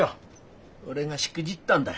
俺がしくじったんだ。